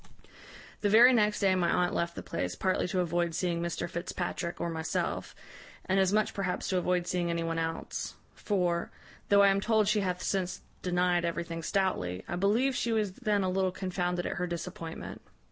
"The very next day my aunt left the place, partly to avoid seeing Mr Fitzpatrick or myself, and as much perhaps to avoid seeing any one else; for, though I am told she hath since denied everything stoutly, I believe she was then a little confounded at her disappointment.